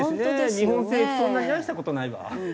日本政府そんなに愛した事ないわ。